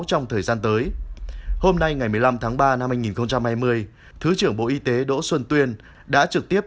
trong thời gian tới hôm nay ngày một mươi năm tháng ba năm hai nghìn hai mươi thứ trưởng bộ y tế đỗ xuân tuyên đã trực tiếp